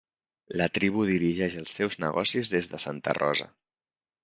La tribu dirigeix els seus negocis des de Santa Rosa.